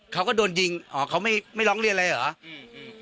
เขาก็โดรนยิงอ๋อเขาไม่ร้องเลี่ยงอะไรอย่างไรเหรอ